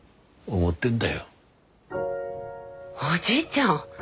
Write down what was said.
おじいちゃん。